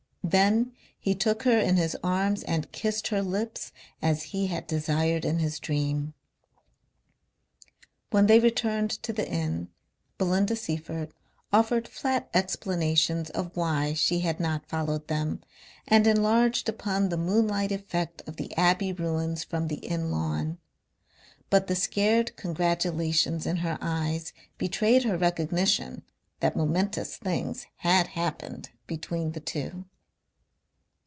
Then he took her in his arms and kissed her lips as he had desired in his dream.... When they returned to the inn Belinda Seyffert offered flat explanations of why she had not followed them, and enlarged upon the moonlight effect of the Abbey ruins from the inn lawn. But the scared congratulations in her eyes betrayed her recognition that momentous things had happened between the two.